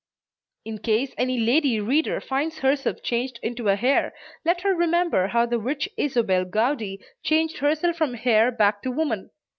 In case any lady reader finds herself changed into a hare, let her remember how the witch Isobel Gowdie changed herself from hare back to woman.